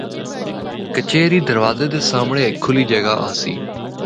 کچہری دروازے دے سامنڑیں ہک کھلی جگہ آسی۔